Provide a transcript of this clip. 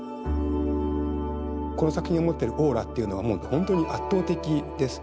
この作品の持っているオーラというのはもう本当に圧倒的です。